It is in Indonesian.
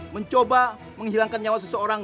dengan minta maaf kang